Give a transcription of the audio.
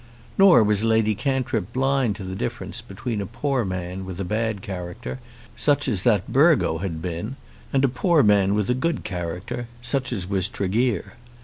Nor was Lady Cantrip blind to the difference between a poor man with a bad character, such as that Burgo had been, and a poor man with a good character, such as was Tregear.